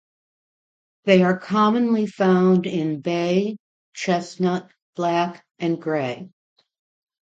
They are commonly found in bay, chestnut, black and gray.